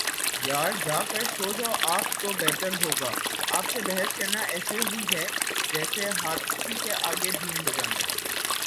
یار جا کر سو جاﺅ آپ تو بہتر ہو گا، آپ سے بحث کرنا ایسے ہی ہے جسیے ہاتھی کے آگے بین بجانا